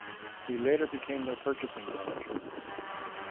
He later became their purchasing manager.